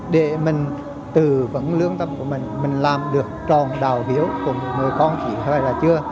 để mình từ vấn lương tâm của mình mình làm được tròn đào hiếu của người con chỉ hơi là chưa